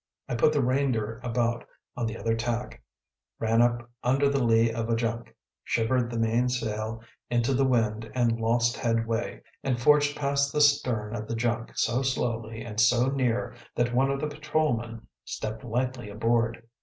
I put the Reindeer about on the other tack, ran up under the lee of a junk, shivered the mainsail into the wind and lost headway, and forged past the stern of the junk so slowly and so near that one of the patrolmen stepped lightly aboard.